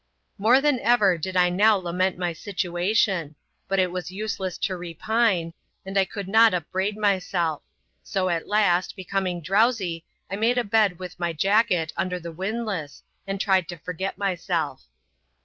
More than ever did I now lament my situation — but it was useless to repine, and I could not upbraid myself. So at last, becoming drowsy, I made a bed with my jacket under ihe windlass, and tried to forget myself.